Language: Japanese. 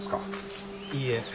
いいえ。